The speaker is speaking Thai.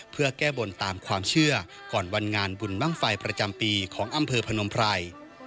เพื่อแก้บนตามความเชื่อก่อนวันงานบุญบ้างไฟประจำปีของอำเภอพนมไพร